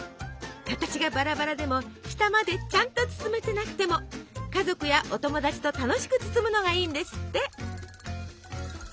形がバラバラでも下までちゃんと包めてなくても家族やお友達と楽しく包むのがいいんですって。